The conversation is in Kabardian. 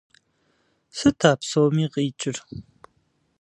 Сыт а псоми къикӏыр?!